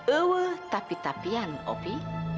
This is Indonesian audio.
ewe tapi tapian opi